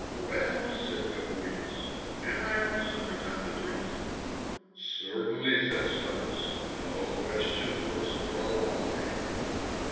"Well," said Gobryas, "am I also to tell the truth?" "Certainly," said Cyrus, "no question looks for a lie."